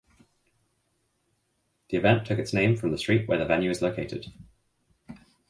The event took its name from the street where the venue is located.